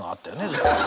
ずっと。